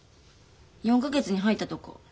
４か月に入ったとこ。